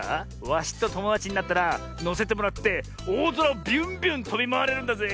ワシとともだちになったらのせてもらっておおぞらをビュンビュンとびまわれるんだぜ。